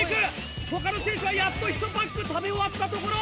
他の選手はやっと１パック食べ終わったところ。